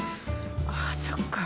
ああそっか。